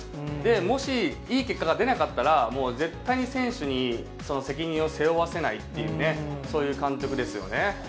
もしいい結果が出なかったら、もう絶対に選手に責任を背負わせないっていうね、そういう監督ですよね。